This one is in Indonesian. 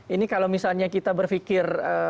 ini kalau misalnya kita berpikir